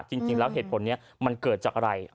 จริงแล้วเหตุผลนี้มันเกิดจากอะไร